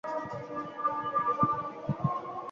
তারা একদম উধাও হয়ে গেছে।